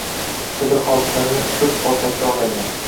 sirli hodisani ko‘p bor takrorlagan: